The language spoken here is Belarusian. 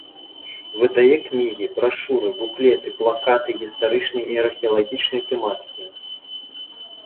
Выдае кнігі, брашуры, буклеты, плакаты гістарычнай і археалагічнай тэматыкі.